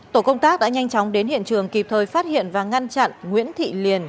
tổ công tác đã nhanh chóng đến hiện trường kịp thời phát hiện và ngăn chặn nguyễn thị liền